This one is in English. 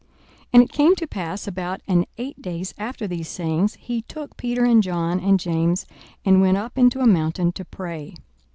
42:009:028 And it came to pass about an eight days after these sayings, he took Peter and John and James, and went up into a mountain to pray.